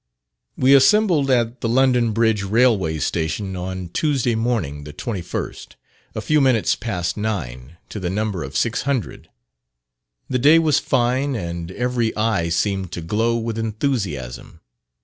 We assembled at the London Bridge Railway Station on Tuesday morning the 21st, a few minutes past nine, to the number of 600. The day was fine, and every eye seemed to glow with enthusiasm.